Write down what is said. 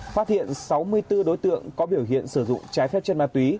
phát hiện sáu mươi bốn đối tượng có biểu hiện sử dụng trái phép chất ma túy